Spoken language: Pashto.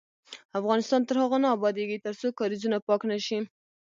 افغانستان تر هغو نه ابادیږي، ترڅو کاریزونه پاک نشي.